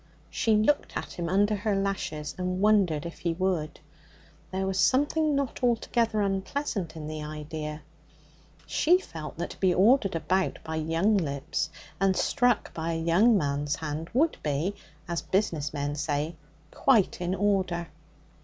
She looked at him under her lashes, and wondered if he would. There was something not altogether unpleasant in the idea. She felt that to be ordered about by young lips and struck by a young man's hand would be, as business men say, 'quite in order.'